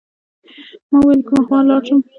ما ویل کومه خوا لاړ شم.